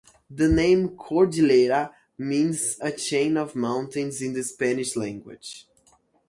The name "Cordillera" means a chain of mountains in the Spanish language.